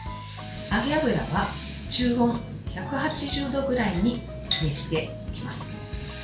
揚げ油は中温１８０度ぐらいに熱していきます。